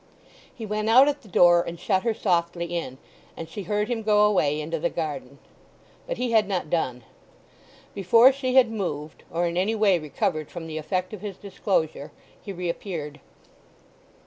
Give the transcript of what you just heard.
He went out at the door and shut her softly in, and she heard him go away into the garden. But he had not done. Before she had moved, or in any way recovered from the effect of his disclosure, he reappeared.